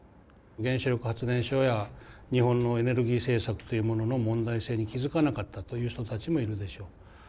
原子力発電所や日本のエネルギー政策というものの問題性に気付かなかったという人たちもいるでしょう。